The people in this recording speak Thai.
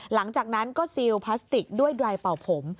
หลังจากนั้นก็ซิลพลาสติกด้วยดรายเป่าผม